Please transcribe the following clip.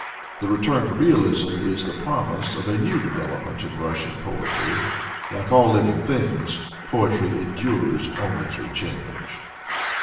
The return to realism is the promise of a new develop ment in Russian poetry. Like all living things, poetry endures only through change.